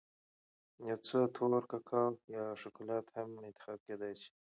یو څه تور کاکاو یا شکولات هم انتخاب کېدای شي.